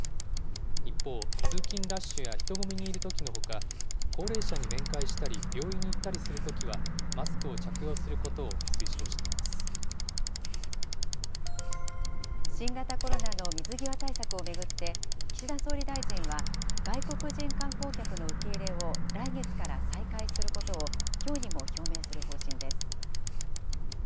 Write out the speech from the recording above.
一方、通勤ラッシュや人混みにいるときのほか、高齢者に面会したり、病院に行ったりするときは、マスクを着用することを推奨して新型コロナの水際対策を巡って、岸田総理大臣は、外国人観光客の受け入れを来月から再開することを、きょうにも表明する方針です。